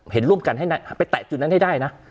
เห็นร่วมกันให้ไปแตะจุดนั้นให้ได้นะ